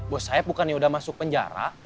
bos saem bukan yang udah masuk penjara